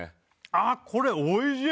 あこれおいしい！